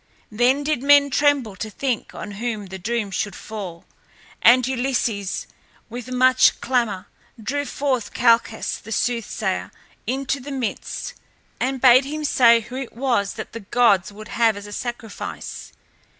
Then did men tremble to think on whom the doom should fall, and Ulysses, with much clamor, drew forth Calchas the soothsayer into the midst, and bade him say who it was that the gods would have as a sacrifice.